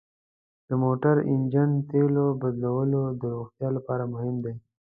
د موټر انجن تیلو بدلول د روغتیا لپاره مهم دي.